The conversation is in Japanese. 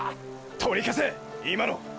取り消せ今の！！